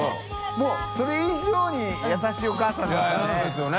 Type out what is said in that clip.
發それ以上に優しいお母さんだったね。